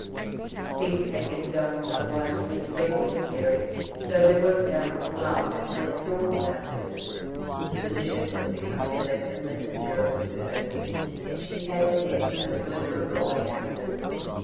Things had been going nowise really better with Mary, though there was now more lull and less storm around her. The position was becoming less and less endurable to her, and she had as yet no glimmer of a way out of it.